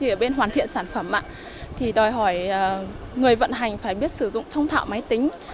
ở bên hoàn thiện sản phẩm thì đòi hỏi người vận hành phải biết sử dụng thông thạo máy tính